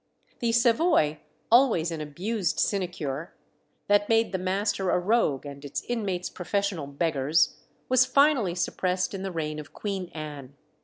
The Savoy, always an abused sinecure, that made the master a rogue and its inmates professional beggars, was finally suppressed in the reign of Queen Anne.